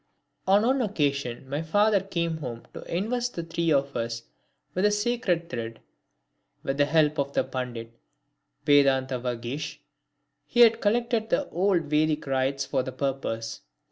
On one occasion my father came home to invest the three of us with the sacred thread. With the help of Pandit Vedantavagish he had collected the old Vedic rites for the purpose.